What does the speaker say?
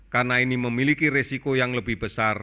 karena ini memiliki resiko yang lebih besar